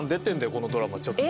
このドラマちょっと。